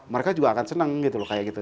mereka juga akan senang gitu loh kayak gitu